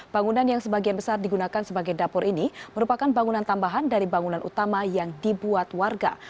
bangunan yang sebagian besar digunakan sebagai dapur ini merupakan bangunan tambahan dari bangunan utama yang dibuat warga